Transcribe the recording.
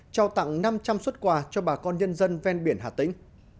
trao tặng năm trăm linh xuất quà cho bà con nhân dân ven biển hà tĩnh